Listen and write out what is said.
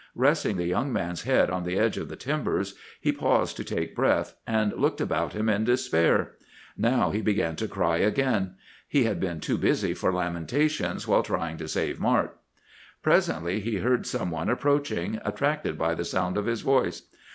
Resting the young man's head on the edge of the timbers, he paused to take breath, and looked about him in despair. Now he began to cry again; he had been too busy for lamentations while trying to save Mart. "Presently he heard some one approaching, attracted by the sound of his voice.